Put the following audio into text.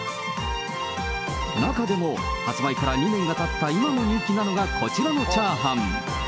中でも、発売から２年がたった今も人気なのが、こちらのチャーハン。